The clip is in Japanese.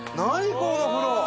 この風呂！